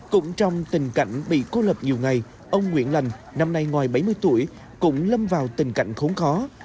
cũng trong tình cảnh bị cô lập nhiều ngày ông nguyễn lành năm nay ngoài bảy mươi tuổi cũng lâm vào tình cảnh khốn khó